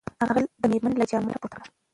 هغه د مېرمنې له جامو ګټه پورته کړه.